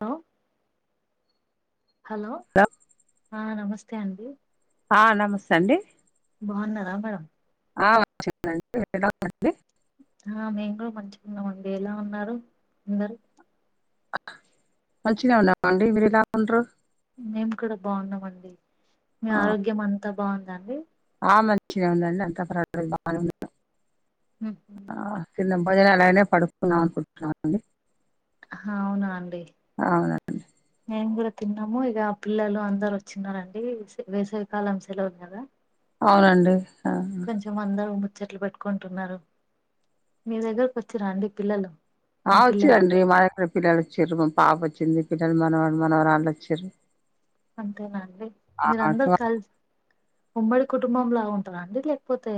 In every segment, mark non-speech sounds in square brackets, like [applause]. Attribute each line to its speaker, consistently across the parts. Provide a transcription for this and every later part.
Speaker 1: లో హలో
Speaker 2: ఇంకా
Speaker 1: ఆ నమస్తే అండి
Speaker 2: ఆ నమస్తే అండి
Speaker 1: బాగున్నర మేడం
Speaker 2: ఆ చెప్పినక వెళ్దాం అండి
Speaker 1: ఆ మేము కూడా మంచిగున్నాం అండి, ఎలా ఉన్నారు అందరు.
Speaker 2: మంచిగా ఉన్నామండి, మీరు ఎలా ఉన్రూ
Speaker 1: మేము కూడా బాగున్నామండి, మీ ఆరోగ్యం అంతా బాగుందా అండి.
Speaker 2: ఆ మంచిగా ఉందండి అంతా ప్రజ బానే ఉంది గా
Speaker 1: ఉమ్,
Speaker 2: ఆ చిన్న భజన అలానే పడుకున్నా అనుకుంటున్న అండి
Speaker 1: హ అవునా అండి
Speaker 2: అవునండి
Speaker 1: మేము కూడ తిన్నాము ఇగ పిల్లలు అందరు వచ్చిన్నారండి. వేసవికాలం సెలవులు కదా.
Speaker 2: అవునండి ఆ
Speaker 1: కొంచెం అందరు ముచ్చట్లు పెట్టుకుంటున్నారు మీ దగ్గరకు వచ్చిరాండి పిల్లలు
Speaker 2: ఆ
Speaker 1: మీ పిల్లలు
Speaker 2: వచ్చిరండి మాఎక్కడ పిల్లలు వచ్చిరు మా పాప వచ్చింది పిల్లలు మనవళ్ళు మనవరాలు వచిర్రు
Speaker 1: అంతేనండి మీరందరు కలిసి వేలు ఉమ్మడి కుటుంబం లా ఉంటాదా అండి లేకపోతే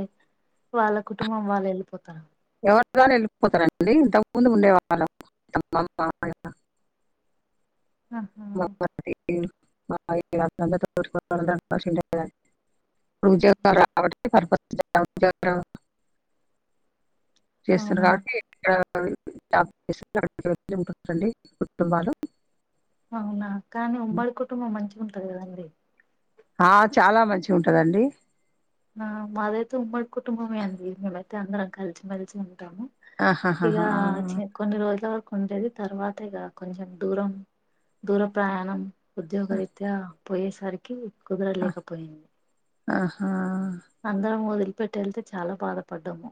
Speaker 1: వాళ్ళ కుటుంబం వాళ్ళు వెళ్ళిపోతర
Speaker 2: ఎవరిదివాళ్ళు ఎళ్ళిపోతరండి ఇంతకు ముందు ఉండేవాళ్ళం ఎంత మంది ఉన్నా
Speaker 1: ఆహా
Speaker 2: మా మా [unintelligible] కొంచం రావట్లే [unintelligible] చేస్తుంరు
Speaker 1: అవునా
Speaker 2: కాబట్టి ఇడ [unintelligible] ఉంటుండి కుటుంబాలు
Speaker 1: అవునా! కానీ ఉమ్మడి కుటుంబం మంచిగ ఉంటది కదండి.
Speaker 2: ఆ చాలా మంచిగ ఉంటదండి.
Speaker 1: ఆ మాదైతే ఉమ్మడి కుటుంబమే అండి మేమైతే అందరం కలిసి మెలిసి ఉంటాము
Speaker 2: ఆహాహాహా.
Speaker 1: ఇగా చ్చి కొన్ని రోజుల వరకు ఉంటది తర్వాత ఇగ కొంచం దూరం దూర ప్రయాణం ఉద్యోగరీత్యా పోయేసరికి కుదరలేకపోయిం
Speaker 2: ఆహా
Speaker 1: అందరం వదిలిపెట్టి ఎళ్తే చాలా బాధపడ్డము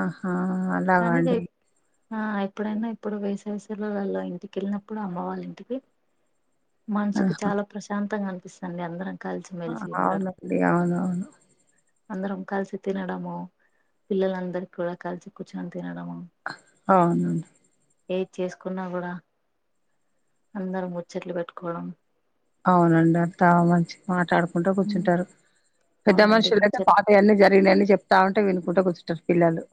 Speaker 2: ఆహా అ
Speaker 1: కానీ ఇగ ఆ ఎప్పుడైనా ఇప్పుడు వేసవి సెలవులలో ఇంటికెళ్ళినప్పుడు అమ్మ వాళ్ళ ఇంటికి మనసుకి
Speaker 2: ఆహా.
Speaker 1: చాలా ప్రశాంతంగా అనిపిస్తాంది అందరం కలిసిమెలిసి ఉండడం
Speaker 2: అవునండి అవునవును
Speaker 1: అందరం కలిసి తినడము పిల్లలందరు కూడా కలిసి కూర్చొని తినడము
Speaker 2: అ అవును
Speaker 1: ఏది చేసుకున్నా కూడా అందరం ముచ్చట్లు పెట్టుకోవడం
Speaker 2: అవును అండీ అత్తా మంచి మాట్లాడుకుంట కూర్చుంటరు పెద్ద
Speaker 1: అవునండి
Speaker 2: మనుషులు అయితే
Speaker 1: ముచ్చట్లు
Speaker 2: పాతయ్ అన్ని జరిగినయ్ అన్ని చెప్ తా ఉంటే వినుకుంట కూర్చుంటరు పిల్లలు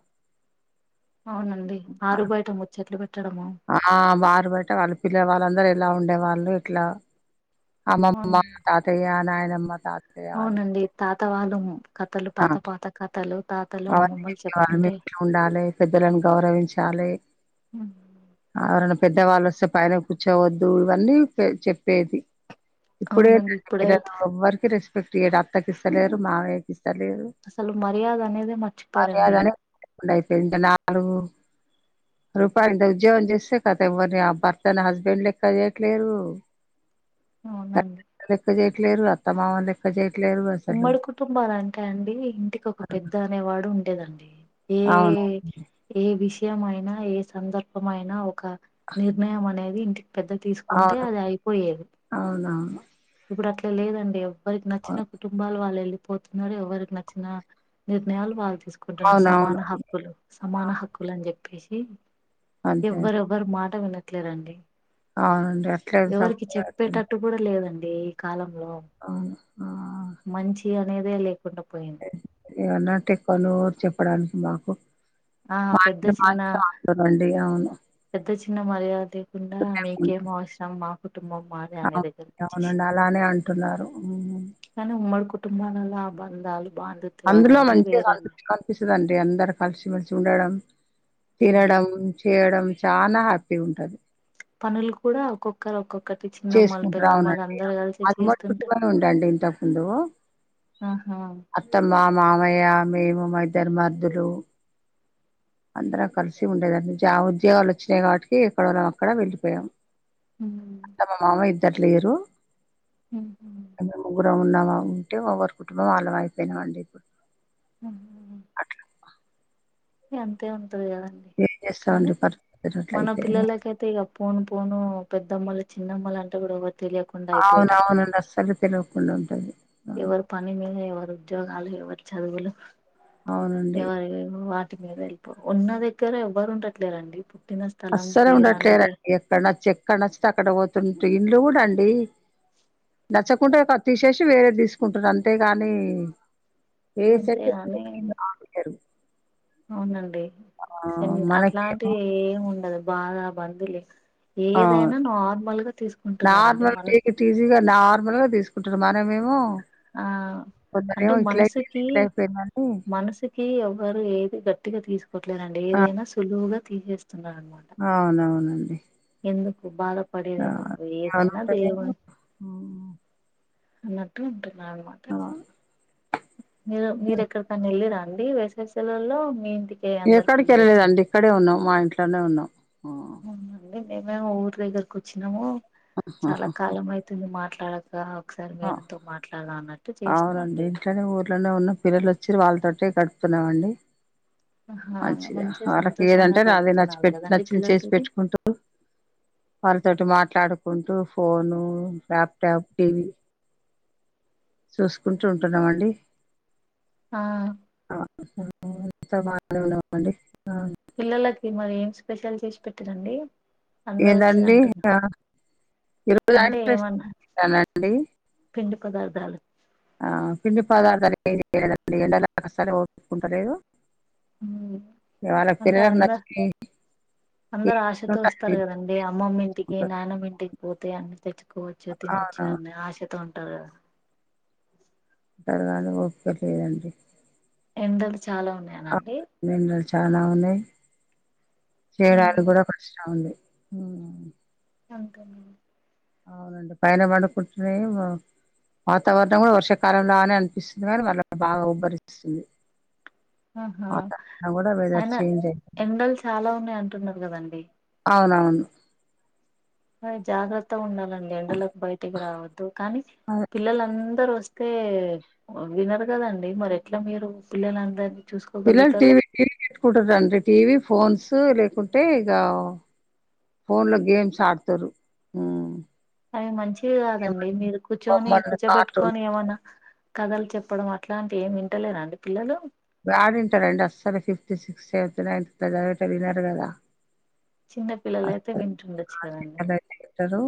Speaker 1: అవును అండీ ఆరు బయట ముచ్చట్లు పెట్టడము
Speaker 2: ఆ వారు బయట వాళ్ళు పిల్ల వాళ్ళందరూ ఎలా ఉండే వాళ్ళు ఇట్లా అమ్మమ్మ తాతయ్య నాయనమ్మ తా
Speaker 1: అవును అండీ తాత వాళ్ళము
Speaker 2: అ అవును అండీ
Speaker 1: అమ్మమ్మలు
Speaker 2: మనం
Speaker 1: చెప్తుంటే
Speaker 2: ఇట్లా ఉండాలి పెద్దలను గౌరవించ్ చాలి ఎవరన్నా పెద్దవాళ్ళు వొస్తే పైన కూర్చోవొద్దు ఇవన్నీ పె చెప్పేది
Speaker 1: అవునండి
Speaker 2: ఇప్పుడేటండి [unintelligible]
Speaker 1: ఇప్పుడైతే
Speaker 2: ఎవ్వరికి రెస్పెక్ట్ ఇయడు అత్తకి ఇస్తలేరు మామయ్యకి ఇస్తలేరు
Speaker 1: అసలు మర్యాద అనేదే మర్చిపోయరు అండీ
Speaker 2: ఉండ అయిపోయింది ఇంగ నాలుగు రూపాయి ఉంటాయ్ ఉద్యోగం చేస్తే కథ ఎవరిని ఆ భర్తన హస్బెండ్ లెక్క చేయట్లేరు
Speaker 1: అవును అండీ
Speaker 2: తల్లిదండ్రులు లెక్క చెయట్లేడు అత్త మామ నీ లే క్కచాట్లేరు వల్
Speaker 1: ఉమ్మడి కుటుంబాలు అంటే అండి ఇంటికి ఒక పెద్ద అనేవాడు ఉండేది అండీ ఏ
Speaker 2: అవును
Speaker 1: ఏ విషయం అయినా ఏ సందర్భ బమైన అయినా ఒక నిర్ణయం అనేది ఇంటికి పెద్ద తీసుకుంటే అది అయిపోయేది
Speaker 2: అవునువును
Speaker 1: ఇప్పుడు అట్లా లేదు అండీ ఎవరికి నచ్చిన కుటుంబాలు వాళ్ళు ఏళ్ళి పోతున్నరు ఎవరికి నచ్చిన నిర్ణయాలు వాళ్ళు తీసుకుంటున్నారు సమాన
Speaker 2: అవునవును
Speaker 1: హక్ క్కులు సమాన హక్కులని జెప్పేసి
Speaker 2: అంతే
Speaker 1: ఎవరు ఎవరు మాట వినట్లేరు అండీ
Speaker 2: అవునండి అట్లే
Speaker 1: ఎవరికి
Speaker 2: సమయం
Speaker 1: చెప్పేటట్టు కూడా లేదండి కాలంలో
Speaker 2: అవును ఆ
Speaker 1: మంచి అనేదే లేకుండా పోయిం
Speaker 2: ఏవన్నా టెక్కలు చెప్పడానికి మాకు
Speaker 1: ఆ పెద్ద చిన్న
Speaker 2: [inaudible] అండీ అవును
Speaker 1: పెద్ద చిన్న మర్యాద లేకుండా మీకేం
Speaker 2: లేకుంటే
Speaker 1: అవసరం మా కుటుంబం మాది అనే దగ్గర
Speaker 2: అవును అండీ అలానే అంటున్నారు హ్మ్
Speaker 1: కానీ ఉమ్మడ కుటుంబాలల్లో ఆ బంధాలు బాంధుత్
Speaker 2: అందులో మంచిగా కనిపించుకోన్ పిస్తది అండీ అందరు కలిసిమెలిసి ఉండడం తినడం
Speaker 1: అవునండి
Speaker 2: చేయడం చానా హ్యాపీగా ఉంటది
Speaker 1: పనులు కూడా ఒక్కొక్ ఒక్కరు ఒక్కొక్కటి చిన్నమ్మలు
Speaker 2: చేసుకుంటారు
Speaker 1: పెద్దమ్మలు
Speaker 2: అవునండి
Speaker 1: అందరు కలిసి
Speaker 2: అది ఉమ్మడి
Speaker 1: చేస్తుంటే
Speaker 2: కుటుంబమే ఉండండి ఇంతకుముందు
Speaker 1: ఆహా
Speaker 2: అత్తమ్మ, మామయ్య మేము మా ఇద్దరు మర్దులు అందరం కలిసి ఉండేదండి జా ఉద్యోగాలు వొచ్చినాయి కాబట్టి ఎక్కడోళ్ళం అక్కడ వెళ్లిపోయాం అత్తమ్మ మామ ఇద్దరు లేరు ఇంగ ముగ్గురు ఉన్నామా ఉంటే ఒకరి కుటుంబం వాళ్ళ వైపేనా అండి ఇప్పుడు
Speaker 1: ఊ అంతే ఉంటది కదా
Speaker 2: ఏం
Speaker 1: కానీ
Speaker 2: చేస్తామండి పరిస్థితులు
Speaker 1: మన
Speaker 2: అట్లయితే
Speaker 1: పిల్లలకైతే ఇగ పోను పోను పెద్దమ్మలు, చిన్నమ్మలు అంటే గూడ ఎవరు తెలియకు
Speaker 2: అవునువును అండీ అస్సలు తెలువకుండ ఉంటది ఆ
Speaker 1: ఎవరు పని మీద ఎవరు ఉద్యోగాలు ఎవరి చదువులు
Speaker 2: అవునండి
Speaker 1: ఎవరివి వా ఉన్న దగ్గరె ఎవ్వరు ఉండట్లేరు అండీ పుట్టిన స్థలం
Speaker 2: అస్సలు
Speaker 1: పేరు అనేది
Speaker 2: ఉండట్లేరండి ఎక్కడ నచ్చి ఎక్కడ నచ్చితే అక్కడ పోతుంటే ఇండ్లు కూడా అండి నచ్చకుంటే ప తీసేసి వేరే తీస్కుంటారు అంతే గాని
Speaker 1: అంతే గాని
Speaker 2: రానియ్యరు.
Speaker 1: అవునండి
Speaker 2: ఆ
Speaker 1: సేమ్ అట్లాంటి
Speaker 2: మనకేమో
Speaker 1: ఏముండదు బాధ బందులే
Speaker 2: ఆ
Speaker 1: ఏదైనా నార్మల్గా తీస్కుంటున్నరండి మన
Speaker 2: ఈజీగా నార్మల్గా తీస్ కుంటురు మనమేమో
Speaker 1: ఆ అంటే
Speaker 2: కొందరేమో ఇట్లైపో ఇట్లైపోయిందని
Speaker 1: కీ ఎవ్వరు ఏది గట్టిగా తీస్కోట్లేరండి
Speaker 2: ఆ
Speaker 1: ఏదైనా సులువుగా తీసేస్తున్నారనమా
Speaker 2: అవునవునండి
Speaker 1: ఎందుకు
Speaker 2: ఆ
Speaker 1: బాధపడేదేందుకు ఏదైనా
Speaker 2: అలాంటేనేమో
Speaker 1: దేవుని అన్నట్టు ఉంటున్నారు మా
Speaker 2: ఆహ్
Speaker 1: మీరు మీరెక్కడి కన్న వెళ్ళిరండి వేసవి సెలవుల్లో మీ ఇంటికే అందరు
Speaker 2: ఎక్కడికి
Speaker 1: పిల్లలు వచ్చి
Speaker 2: వెళ్ళలేదండి ఇక్కడే ఉన్నాం మా ఇంట్లోనే ఉన్నాం ఉ
Speaker 1: అవ్నండి మేమేమో ఊరి దగ్గరకు ఒచ్చినాము చాలా
Speaker 2: ఆహాహా!
Speaker 1: కాలం అయితుంది మాట్లాడక ఆ ఒక్సారి మీ
Speaker 2: ఆ!
Speaker 1: అన్నతో మాట్లాడనా అన్న
Speaker 2: అవునండి ఇంట్లోనే ఊర్లోనే ఉన్న పిల్లలు ఒచ్చి వాళ్ళతోటే గడుపుతున్నామండి
Speaker 1: ఆహా
Speaker 2: మంచిగా వాళ్ళకి
Speaker 1: సంతోషంగా
Speaker 2: ఏదంటే అది అది
Speaker 1: గడుపుతున్నారు
Speaker 2: నచ్చిపెట్టు
Speaker 1: కదండి
Speaker 2: నచ్చిన చేసి
Speaker 1: పిల్లలతోటి
Speaker 2: పెట్టుకుంటూ వాళ్ళతోటి మాట్లాడుకుంటూ ఫోను, ల్యాప్టాప్, టీవీ చూస్కుంటూ ఉంటున్నామండి
Speaker 1: ఆ
Speaker 2: [unintelligible] మాట్లాడినామండి ఆ
Speaker 1: పిల్లలకి మరి ఏం స్పెషల్ చేసిపెట్టిరండి
Speaker 2: ఏందండి ఆ
Speaker 1: అంటే
Speaker 2: [unintelligible]
Speaker 1: ఏమన్నా
Speaker 2: నండి
Speaker 1: పిండి పదార్థాలు
Speaker 2: ఆ పిండిపదార్థ అనేది లేదండి ఎండలాస్తేకుంట లేదు
Speaker 1: ఉమ్,
Speaker 2: వాళ్ళ
Speaker 1: అంటే అందరు
Speaker 2: పిల్లకినచ్చి
Speaker 1: అందరు ఆశతో ఒస్తారు కదండి అమ్మమ్మ ఇంటికి నానమ్ ఇంటికి పోతే అన్ని తె కోవచ్చు తినొచ్చు
Speaker 2: అవునవును
Speaker 1: అన్నీ ఆశతో ఉంటారు కదా
Speaker 2: త్వరగాదు ఓపిక లేదండి
Speaker 1: ఎండలు చాలా ఉన్నాయనండి
Speaker 2: ఉహ్మ్ చానా ఉన్నాయి చేయడానికి కూడా కష్టం ఉంది ఉమ్మ్
Speaker 1: అంతేనండి
Speaker 2: అవునండి పైన పండుకుంటేనేమో వాతావరణం కూడా వర్షాకాలం లానే అనిపిస్తుంది కానీ మళ్ళ బాగా ఉబ్బరిస్తుంది
Speaker 1: ఆహా
Speaker 2: వాతావరణం కూడా వెదర్
Speaker 1: అయిన
Speaker 2: చేంజ్ అయి
Speaker 1: ఎండలు చాలా ఉన్నాయంటున్నారు కదండి
Speaker 2: అవునవును
Speaker 1: మరి జాగ్రత్త ఉండాలండి ఎండలకు బయటికి రావద్దు కానీ
Speaker 2: ఆదే
Speaker 1: పిల్లలందరు ఒస్తే వినరు కదండీ మరి ఎట్లా మీరు పిల్లలందరి
Speaker 2: పిల్లలు టీవీ టీవీ పెట్టుకుంటారండి టీవీ ఫోన్స్ లేకుంటే ఇగ ఫోన్లో గేమ్స్ ఆడుతారు ఉమ్మ్
Speaker 1: అది మంచిది కాదండి మీరు కూర్చొని
Speaker 2: బొమ్మలు కార్టూన్
Speaker 1: కూర్చోబెట్టుకొని ఏమన్నా కథలు చెప్పడం అట్లాంటి ఏమి ఇంటలేరాండి పిల్లలు
Speaker 2: యాడింటారండి అసలు ఫిఫ్త్ సిక్స్త్ సెవెంత్ నైన్త్ ఇట్ల చదివేటోళ్లు విన్నారు కదా
Speaker 1: చిన్నపిల్లలైతే వింటుండొచ్చు కదండి
Speaker 2: వింటారు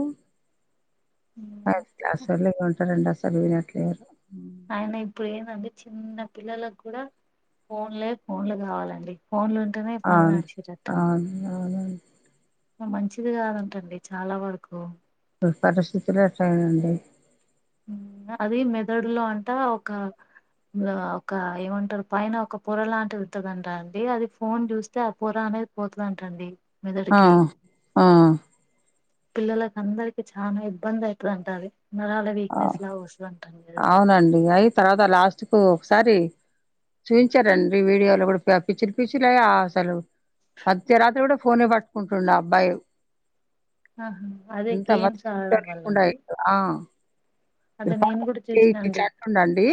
Speaker 2: ఐదు క్లాస్ వాళ్లు ఉంటారండి అసలు వినట్లేరు హ్మ్.
Speaker 1: అయిన ఇప్పుడు ఏందంటే చిన్న పిల్లలకు కూడా ఫోన్లే ఫోన్లు కావాలండి ఫోన్లు ఉంటేనే పని
Speaker 2: అవును.
Speaker 1: నడిచేటట్టుంది
Speaker 2: అవును. అవునండి.
Speaker 1: మంచిది కాదంటండి చాలా వరకూ
Speaker 2: ఇప్పుడు పరిస్థితులు యటన్నాయండి
Speaker 1: అది మెదడులో అంటా ఒక ఆ ఒక ఏమంటరు పైన ఒక పొర లాంటిది ఉంటదంటా అండి అది ఫోన్ చూస్తే ఆ పొర అనేది పోతదంట అండి
Speaker 2: ఆ!
Speaker 1: మెదడుకి
Speaker 2: ఆ!
Speaker 1: పిల్లలకందరికి చానా ఇబ్బంది అయితదంట అది నరాల వి
Speaker 2: ఆ అవునండి అయి తర్వాత లాస్ట్‌కు ఒకసారి చూయించారండి వీడియోలో కూడా పిచ్చిలు పిచ్చిలై ఆ అసలు అర్ధరాత్రి కూడా ఫోనే పట్టుకుంటుండు ఆ అబ్బాయి
Speaker 1: ఆహా అదే
Speaker 2: అంత
Speaker 1: గేమ్స్ ఆడడం
Speaker 2: మతిస్థిమితం
Speaker 1: వల్ల
Speaker 2: లేకుండా
Speaker 1: అండి
Speaker 2: అయిండు. ఆ
Speaker 1: అదే నేను కూడా
Speaker 2: [unintelligible]
Speaker 1: చూసినండి
Speaker 2: ఇట్లంటుండు అండి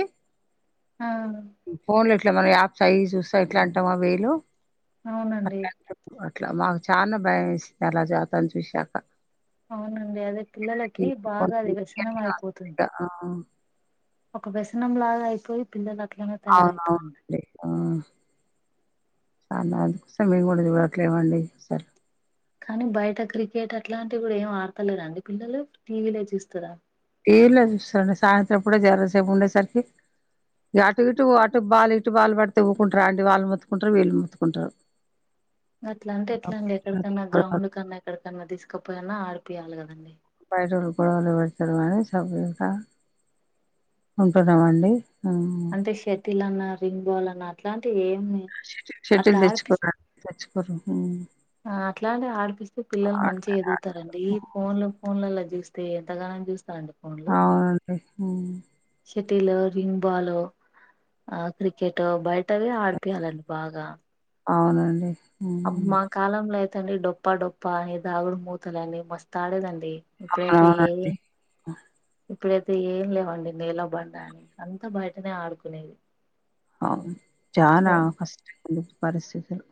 Speaker 1: ఆ
Speaker 2: ఫోన్‌లో ఇట్లా మనం యాప్ సైజ్ చూస్తా ఇట్లంటామా వేలు
Speaker 1: అవునండి
Speaker 2: అట్లంటుం అట్లా మాకు చానా భయమేసింది అట్లా అలా అతని చూశాక
Speaker 1: అవునండి అదే
Speaker 2: ఈ
Speaker 1: పిల్లలకి బాగా అది వ్యసనం అయిపోతుంది
Speaker 2: ఆ
Speaker 1: ఒక వ్యసనం లాగా అయిపోయి పిల్లలు అట్లనే తయారవుతారండి
Speaker 2: అవునవును ఆ దాని మేం కూడా చూడట్లేమండి సరే
Speaker 1: కానీ బయట క్రికెట్ అట్లాంటివి కూడా ఏం ఆడతలేదండి పిల్లలు టీవీలో చూస్తారా
Speaker 2: టివిలో చూస్తారండి సాయంత్రం పూట జరసేపు ఉండేసరికి ఇగ అటు ఇటు అటు బాలు ఇటు బాలు పడితే వూకుంటరా అండి వాళ్ళు మొత్తుకుంటరు వీళ్ళు మొత్తుకుంటరు
Speaker 1: గట్లంటే ఎట్లా అండి ఎక్కడికన్నా
Speaker 2: గొడవలు
Speaker 1: గ్రౌండ్ కన్నా ఎక్కడికన్నా తీసుకపోయన్నా ఆడిపియ్యాలి కదండి
Speaker 2: బయటోళ్లు గొడవలు పెడతారు గానీ సబ్బు ఇంకా ఉంటున్నామండి ఆ
Speaker 1: టే షెటిల్ అన్నా రింగ్ బాలన్నా అట్లాంటివి ఏమి
Speaker 2: షెటీల్
Speaker 1: అట్లా
Speaker 2: షెటిల్
Speaker 1: ఆడిపి
Speaker 2: తెచ్చకున్న తెచ్చకు ఉ
Speaker 1: ఆ అట్లానే ఆడిపిస్తే పిల్లలు మంచిగా
Speaker 2: ఆడతారు ఆడతారు
Speaker 1: ఎదుగుతారండి ఈ ఫోన్లు ఫోన్లల్ల చూస్తే ఎంతగానం చూస్తారండి
Speaker 2: ఆవుండి ఊ
Speaker 1: షెటిల్ రింగ్ బాల్ ఆ క్రికెట్ బయటవె ఆడిపీయ్యాలండి బాగా
Speaker 2: ఆవునండి
Speaker 1: అమ్మా కాలంలో అయితే అండి డొప్పా డొప్ప అని దాగుడు మూతలని మస్తాడేదండి ఇప్పుడైతే ఏమి
Speaker 2: అవునండి
Speaker 1: ఇప్పుడైతే ఏం లేవండి నేల బండా అని అంత బయటనే ఆడుకునేది
Speaker 2: అవును చానా
Speaker 1: ఫోన్
Speaker 2: కష్టం పరిస్థితులు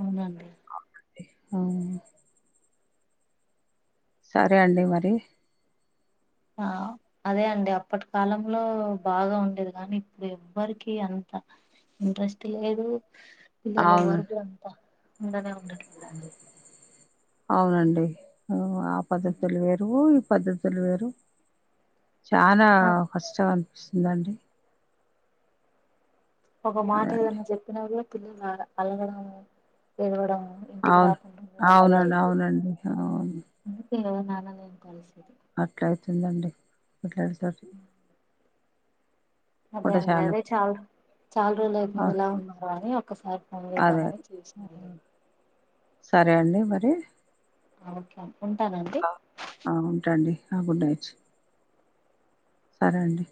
Speaker 1: అవునండి
Speaker 2: ఆవునండి ఊ సరే అండి మరి
Speaker 1: ఆ అదే అండి అప్పటి కాలంలో బాగా ఉండేది కానీ ఇప్పుడు ఎవ్వరికి అంత ఇంట్రెస్ట్ లేదు పిల్లలు
Speaker 2: అవును
Speaker 1: ఎవరకు అంతా ఉండనే ఉండేట్లెదండి
Speaker 2: అవునండి ఉ ఆ పద్ధతులు వేరు ఈ పద్ధతులు వేరు చానా కష్టం అనిపిస్తుందండి
Speaker 1: ఒక మాట
Speaker 2: అదండి
Speaker 1: ఏదన్నా చెప్పినా గూడా పిల్లలు అలగడము ఎడవడము
Speaker 2: అవును ఆవునండి ఆవునండి అవును
Speaker 1: మీటింగ్ లో నాన్న నేను కలిసేది
Speaker 2: అట్లా అయితుందండి ఇట్లా వెల్తే అటు
Speaker 1: అదే
Speaker 2: కూడా
Speaker 1: అండి
Speaker 2: చాలా
Speaker 1: అదే చాల చాలా రోజులు
Speaker 2: ఆ!
Speaker 1: అవుతుంది గా ఎలా ఉన్నారా అని ఒక్కసారి ఫోన్
Speaker 2: అదే
Speaker 1: చేద్దామని చేసినండి
Speaker 2: అదె సరే అండి మరి
Speaker 1: ఓకే అండీ ఉంటానండి
Speaker 2: ఆ! ఆ ఉంటండి ఆ గుడ్ నైట్ సరే అండి